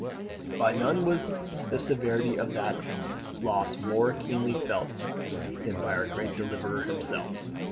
By none was the severity of that loss more keenly felt than by our great deliverer himself.